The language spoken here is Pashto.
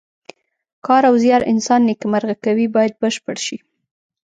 کار او زیار انسان نیکمرغه کوي باید بشپړ شي.